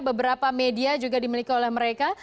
beberapa media juga dimiliki oleh mereka